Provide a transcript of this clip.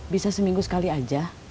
bisa seminggu sekali aja